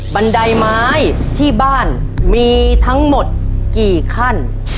บันไดไม้ที่บ้านมีทั้งหมดกี่ขั้น